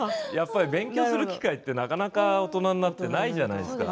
勉強する機会ってなかなか大人になると、ないじゃないですか。